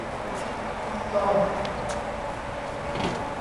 ซ่อน